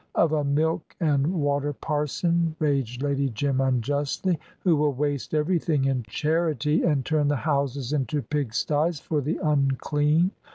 "Of a milk and water parson," raged Lady Jim, unjustly, "who will waste everything in charity, and turn the houses into pigsties for the unclean.